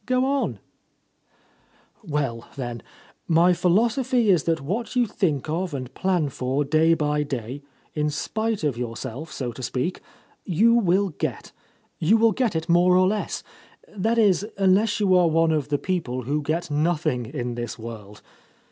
Go onl" "Well, then, my philosophy is that what you think of and plan for day by day, in spite of yourself, so to speak — ^you will get. You will get it more or less. That is, unless you are one of the people who get nothing in this world.